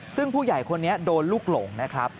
ซึ่งผู้ใหญ่คนนี้โดนลูกหลงนะครับ